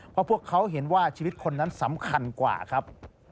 เพราะพวกเขาเห็นว่าชีวิตคนนั้นสำคัญกว่าครับ